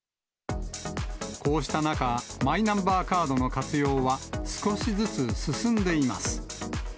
こうした中、マイナンバーカードの活用は少しずつ進んでいます。